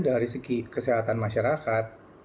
dari segi kesehatan masyarakat